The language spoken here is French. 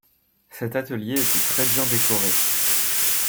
Cet atelier était très bien décoré.